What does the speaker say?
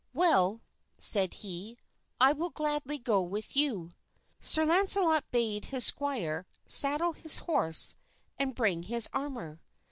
"Well," said he, "I will gladly go with you." Sir Launcelot bade his squire saddle his horse and bring his armor.